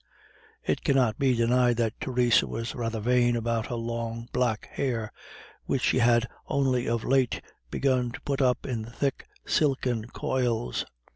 It cannot be denied that Theresa was rather vain about her long black hair, which she had only of late begun to put up in thick silken coils.